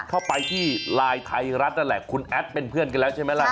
เข้าไปที่ไลน์ไทยรัฐนั่นแหละคุณแอดเป็นเพื่อนกันแล้วใช่ไหมล่ะ